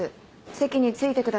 席に着いてください。